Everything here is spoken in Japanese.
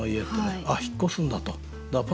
あっ引っ越すんだと。